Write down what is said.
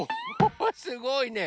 すごいね！